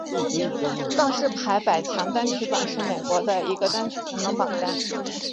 告示牌百强单曲榜是美国的一个单曲排行榜单。